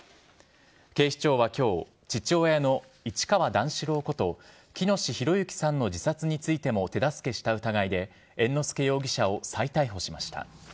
警視庁はきょう、父親の市川段四郎こと喜熨斗弘之さんの自殺についても手助けした疑いで猿之助容疑者を再逮捕しました。